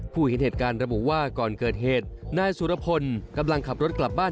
เห็นเหตุการณ์ระบุว่าก่อนเกิดเหตุนายสุรพลกำลังขับรถกลับบ้าน